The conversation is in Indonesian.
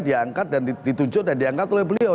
diangkat dan ditunjuk dan diangkat oleh beliau